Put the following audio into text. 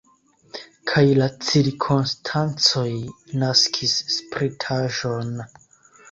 Kaj la cirkonstancoj naskis spritaĵon.